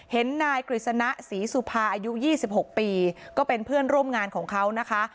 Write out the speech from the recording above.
เห็นนายกฤษณะศรีสุภาอายุ๒๖ปีก็เป็นเพื่อนร่วมงานของเขานะคะ